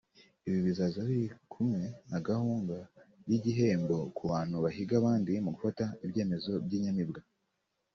Ibi bizaza biri kumwe na gahunga y’igihembo ku bantu bahiga abandi mu gufata ibyemezo by’inyamibwa